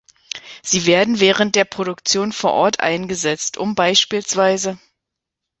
Sie werden während der Produktion vor Ort eingesetzt, um bspw.